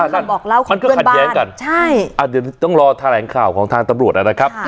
บอกว่าของบ้านกันต้องรอทางข่าวของทางตำรวจแล้วนะครับ